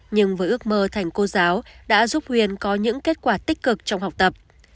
nhưng với ước mơ thành cô giáo đã giúp huyền có những kết quả tích cực trong học tập